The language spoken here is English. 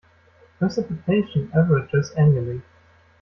Precipitation averages annually.